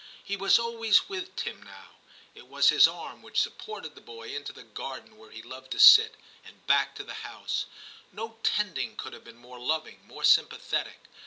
He was always with Tim now. It was his arm which sup fc XIII TIM 301 ported the boy into the garden where he loved to sit, and back to the house; no tending could have been more loving, more sympathetic.